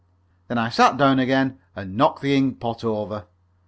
Then I sat down again, and knocked the ink pot over.